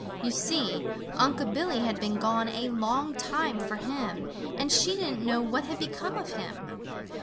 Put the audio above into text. You see Unc' Billy had been gone a long time for him, and she didn't know what had become of him.